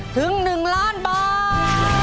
ถึง๑ล้านบาท